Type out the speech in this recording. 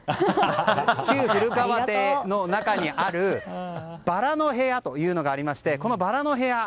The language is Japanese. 旧古河邸の中にあるバラの部屋というのがありましてこのバラの部屋